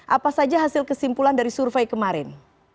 apa saja hasil kesimpulan dari survei kemarin